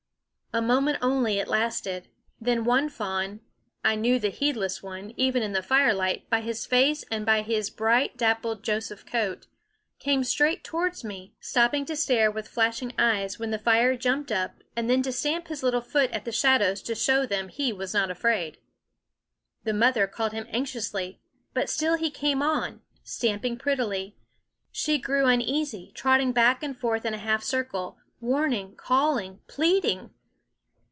A moment only it lasted. Then one fawn I knew the heedless one, even in the fire light, by his face and by his bright dappled Joseph's coat came straight towards me, stopping to stare with flashing eyes when the fire jumped up, and then to stamp his little foot at the shadows to show them that he was not afraid. "HER EYES ALL ABLAZE WITH THE WONDER OF THE LIGHT" The mother called him anxiously ; but still he came on, stamping prettily. She grew uneasy, trotting back and forth in a half cir cle, warning, calling, pleading.